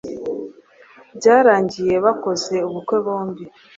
Byarangiye bakoze ubukwe bombi